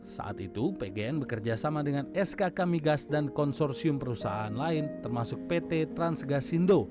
saat itu pgn bekerja sama dengan skk migas dan konsorsium perusahaan lain termasuk pt transgasindo